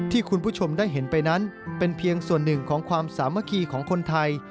ที่คุณผู้ชมได้เห็นไปนั้นเป็นเพียงส่วนหนึ่งของความสามัคคีของคนไทย